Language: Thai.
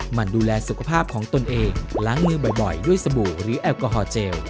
มันดูแลสุขภาพของตนเองล้างมือบ่อยด้วยสบู่หรือแอลกอฮอลเจล